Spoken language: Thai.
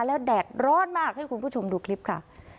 แล้วแดดร้อนมากให้คุณผู้ชมดูคลิปค่ะ